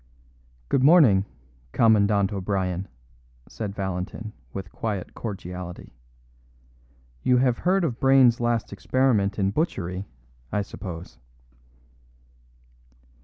"Good morning, Commandant O'Brien," said Valentin, with quiet cordiality. "You have heard of Brayne's last experiment in butchery, I suppose?"